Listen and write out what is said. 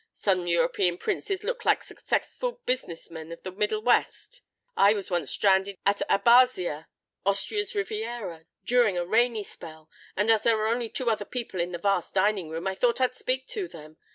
Some European princes look like successful businessmen of the Middle West. I was once stranded at Abbazia, Austria's Riviera, during a rainy spell, and as there were only two other people in the vast dining room I thought I'd speak to them.